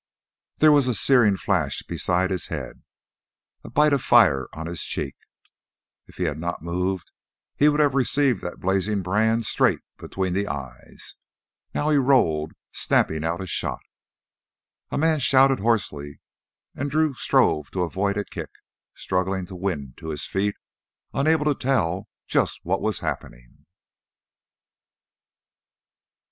There was a searing flash beside his head, the bite of fire on his cheek. If he had not moved, he would have received that blazing brand straight between the eyes. Now he rolled, snapping out a shot. A man shouted hoarsely and Drew strove to avoid a kick, struggling to win to his feet, unable to tell just what was happening.